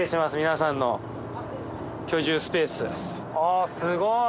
舛すごい！